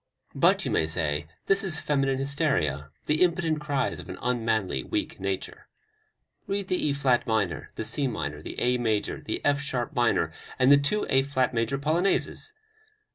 But, you may say, this is feminine hysteria, the impotent cries of an unmanly, weak nature. Read the E flat minor, the C minor, the A major, the F sharp minor and the two A flat major Polonaises!